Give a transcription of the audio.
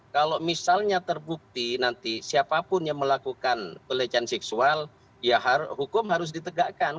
kalau misalnya terbukti nanti siapapun yang melakukan pelecehan seksual ya hukum harus ditegakkan